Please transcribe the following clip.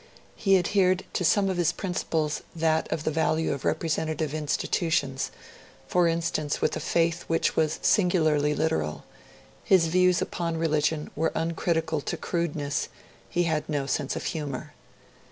He adhered to some of his principles that of the value of representative institutions, for instance with a faith which was singularly literal; his views upon religion were uncritical to crudeness; he had no sense of humour.